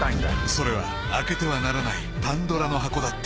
［それは開けてはならないパンドラの箱だった］